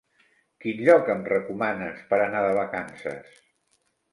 Quin lloc em recomanes per anar de vacances?